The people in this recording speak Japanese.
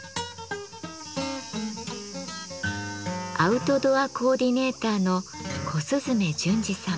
アウトドアコーディネーターの小雀陣二さん。